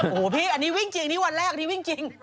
โอ้โหพี่อันนี้วิ่งจริงนี่วันแรกนี่วิ่งจริง